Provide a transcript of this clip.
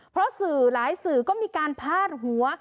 เพราะสื่อหลายสื่อก็มีการพาดหัว